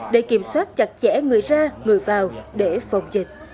để kiểm soát chặt chẽ người ra người vào để phòng dịch